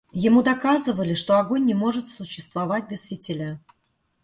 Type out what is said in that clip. Ему доказывали, что огонь не может существовать без фитиля.